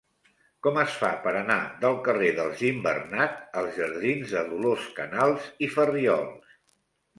Com es fa per anar del carrer dels Gimbernat als jardins de Dolors Canals i Farriols?